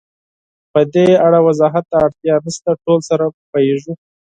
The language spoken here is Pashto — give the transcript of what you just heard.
پدې اړه وضاحت ته اړتیا نشته، ټول سره پوهېږو.